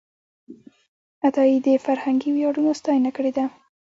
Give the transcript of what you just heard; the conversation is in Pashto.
عطایي د فرهنګي ویاړونو ستاینه کړې ده.